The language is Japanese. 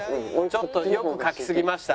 ちょっと良く描きすぎました。